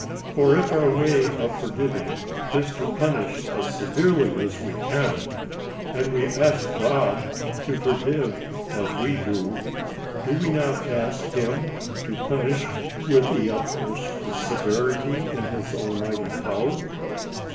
For if our way of forgiving is to punish as severely as we can, and we ask God to forgive cw we do, do we not ask him to punish with the utmost severity in his Almighty power